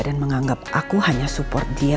dan menganggap aku hanya support dia